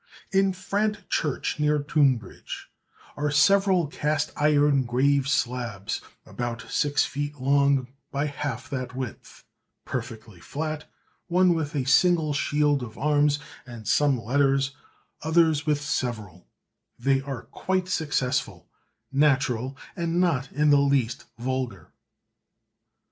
In Frant church, near Tunbridge, are several cast iron grave slabs about six feet long by half that width, perfectly flat, one with a single shield of arms and some letters, others with several; they are quite successful, natural, and not in the least vulgar.